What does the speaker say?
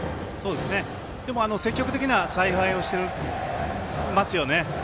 でも積極的な采配をしていますよね。